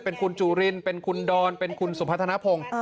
เป็นคุณจุรินเป็นคุณดอนเป็นคุณสุพัฒนภง